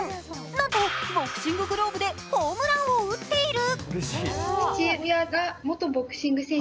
なんとボクシンググローブでホームランを打っている。